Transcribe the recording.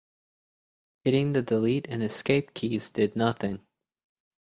Hitting the delete and escape keys did nothing.